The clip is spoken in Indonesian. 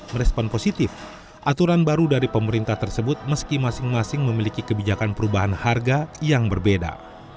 merespon positif aturan baru dari pemerintah tersebut meski masing masing memiliki kebijakan perubahan harga yang berbeda